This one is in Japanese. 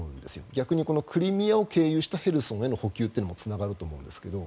逆にこのクリミアを経由したヘルソンへの補給もつながると思うんですけど。